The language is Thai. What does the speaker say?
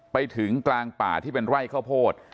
ไปถึงกลางป่าที่เป็นไร่ข้าวโพด